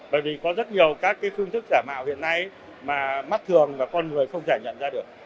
bởi vì có rất nhiều các phương thức giả mạo hiện nay mà mắt thường và con người không thể nhận ra được